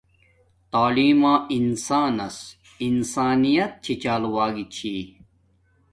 تعیلم ما انسانس انسانیت چھی چال واگی ثھی